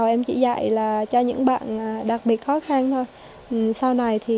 em chỉ dạy cho những bạn đặc biệt khó khăn thôi